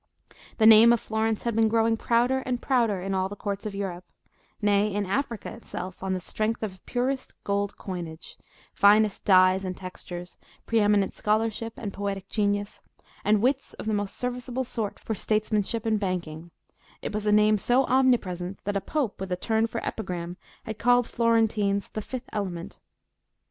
The name of Florence had been growing prouder and prouder in all the courts of Europe, nay, in Africa itself, on the strength of purest gold coinage, finest dyes and textures, pre eminent scholarship and poetic genius, and wits of the most serviceable sort for statesmanship and banking: it was a name so omnipresent that a Pope with a turn for epigram had called Florentines "the fifth element."